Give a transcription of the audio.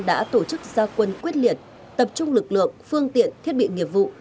đã tổ chức gia quân quyết liệt tập trung lực lượng phương tiện thiết bị nghiệp vụ